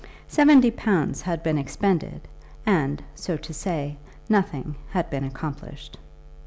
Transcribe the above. Seventy pounds had been expended, and, so to say, nothing had been accomplished.